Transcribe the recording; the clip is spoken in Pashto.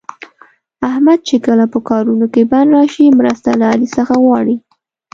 احمد چې کله په کارونو کې بند راشي، مرسته له علي څخه غواړي.